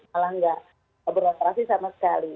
malah enggak berlatarasi sama sekali